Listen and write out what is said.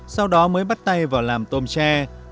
sau đó mới bắt tay vào làm tôm tre